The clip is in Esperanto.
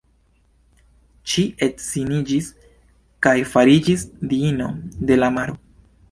Ŝi edziniĝis, kaj fariĝis diino de la maro.